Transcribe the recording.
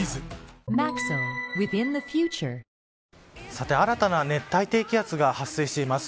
さて、新たな熱帯低気圧が発生しています。